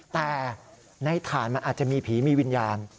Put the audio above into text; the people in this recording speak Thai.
แต่ในถ่านมันอาจจะมีผีมีวิญญาณ